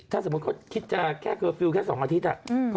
ถ้าสมมติว่าจะแก้เฟรรฟิวแค่๒อาทิตย์